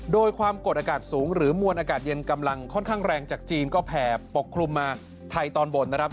โดยความกดอากาศสูงหรือมวลอากาศเย็นกำลังค่อนข้างแรงจากจีนก็แผ่ปกคลุมมาไทยตอนบนนะครับ